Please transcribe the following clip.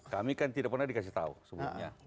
kami kan tidak pernah dikasih tahu sebelumnya